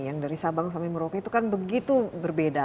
yang dari sabang sampai merauke itu kan begitu berbeda